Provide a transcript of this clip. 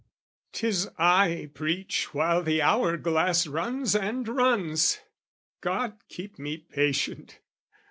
'Tis I preach while the hour glass runs and runs! God keep me patient!